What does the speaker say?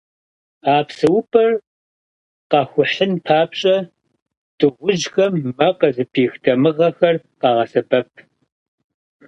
Я псэупӏэр «къахухьын» папщӏэ, дыгъужьхэм мэ къызыпих дамыгъэхэр къагъэсэбэп.